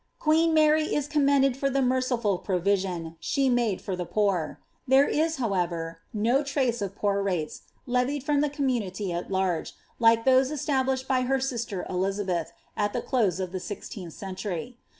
Qiaeen Mary is commended for the merciful proWsion she made for the poor; there is, however, no trace of poor rates, levied from the community at laige, like those established by her sister Elizabeth, at the close of the sixteenth century.